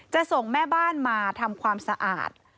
ส่งแม่บ้านมาทำความสะอาด